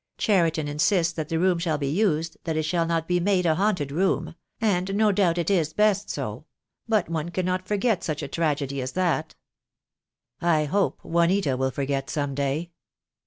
Cheriton insists that the room shall be used, that it shall not be made a haunted room — and no doubt it is best so — but one cannot forget such a tragedy as that." "I hope Juanita will forget some day."